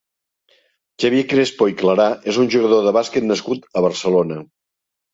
Xavier Crespo i Clarà és un jugador de bàsquet nascut a Barcelona.